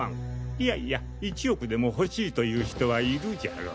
いやいや１億でも欲しいという人はいるじゃろう。